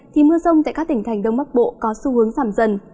thì mưa rông tại các tỉnh thành đông bắc bộ có xu hướng giảm dần